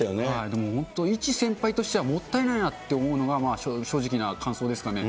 でも本当、一先輩としては、もったいないなって思うのが正直な感想ですかね。